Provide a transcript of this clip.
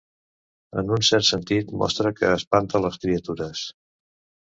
En un cert sentit, monstre que espanta les criatures.